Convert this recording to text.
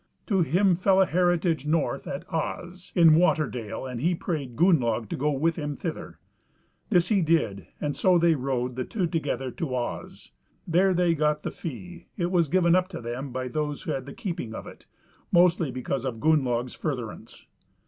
To him fell an heritage north at As, in Water dale, and he prayed Gunnlaug to go with him thither. This he did, and so they rode, the two together, to As. There they got the fee; it was given up to them by those who had the keeping of it, mostly because of Gunnlaug's furtherance.